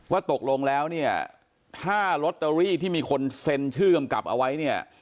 ว่าตกลงแล้วเนี่ยถ้าลอตเตอรี่ที่มีคนเซ็นชื่อกำกับเอาไว้เนี่ย